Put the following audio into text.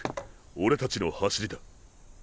俺たちの走りだ。